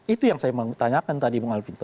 itu yang saya mau tanyakan tadi bung alvin